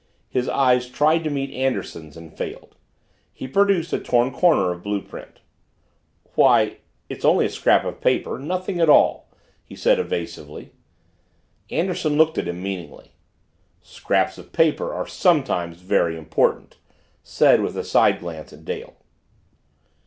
His eyes tried to meet Anderson's and failed. He produced a torn corner of blue print. "Why, it's only a scrap of paper, nothing at all," he said evasively. Anderson looked at him meaningly. "Scraps of paper are sometimes very important," said with a side glance at Dale.